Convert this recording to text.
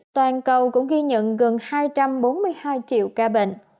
toàn cầu cũng ghi nhận gần hai trăm bốn mươi hai triệu ca bệnh